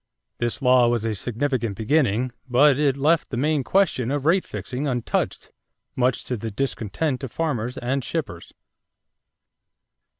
This law was a significant beginning; but it left the main question of rate fixing untouched, much to the discontent of farmers and shippers.